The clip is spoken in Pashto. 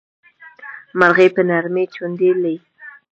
مرغۍ په نرمۍ چوڼيدلې.